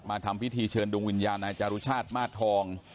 ทำพิธีเชิญดวงวิญญาณนายจารุชาติมาสทอง